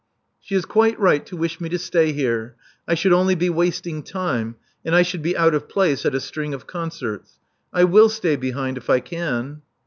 She is quite right to wish me to stay here. I should only be wasting time ; and I should be out of place at a string of concerts. I will stay behind — if I can."